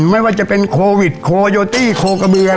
ไม่ว่าจะเป็นโควิดโคโยตี้โคกระเบือ